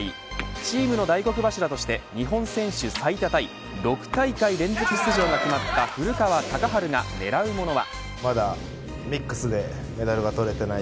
チームの大黒柱として日本選手最多タイ６大会連続出場が決まった古川高晴が狙うものは。